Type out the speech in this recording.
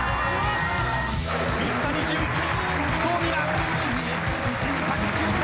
水谷隼、伊藤美誠卓球界